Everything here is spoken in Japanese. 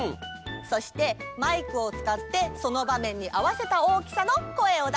そしてマイクをつかってそのばめんにあわせた大きさの声をだすんだ。